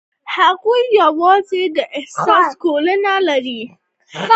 هغوی یوځای د حساس ګلونه له لارې سفر پیل کړ.